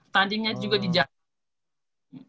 tandingnya juga di jakarta